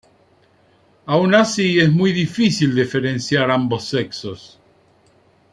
Aun así, es muy difícil diferenciar ambos sexos.